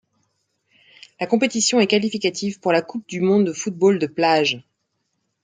La compétition est qualificative pour la Coupe du monde de football de plage.